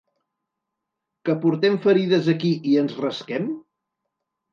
Que portem ferides aquí i ens rasquem?